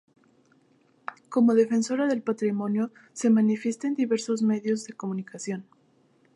Como defensora del patrimonio se manifiesta en diversos medios de comunicación.